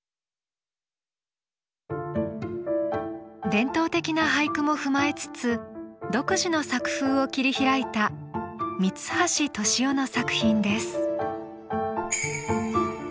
伝統的な俳句も踏まえつつ独自の作風を切り開いた三橋敏雄の作品です。